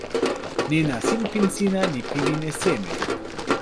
nena sinpin sina li pilin e seme?